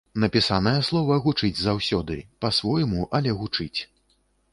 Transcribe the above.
Напісанае слова гучыць заўсёды, па-свойму, але гучыць.